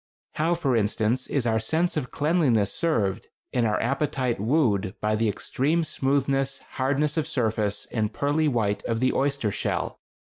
How, for instance, is our sense of cleanliness served and our appetite wooed by the extreme smoothness, hardness of surface, and pearly white of the oyster shell!